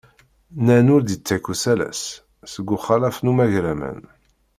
Nnan ur d-itekk usalas, seg uxalaf umagraman.